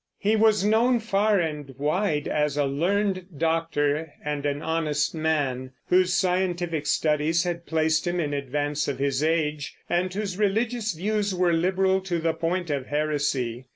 He was known far and wide as a learned doctor and an honest man, whose scientific studies had placed him in advance of his age, and whose religious views were liberal to the point of heresy.